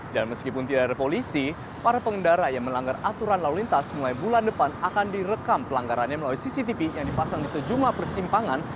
dan meskipun tidak ada polisi para pengendara yang melanggar aturan lalu lintas mulai bulan depan akan direkam pelanggarannya melalui cctv yang dipasang di sejumlah persimpangan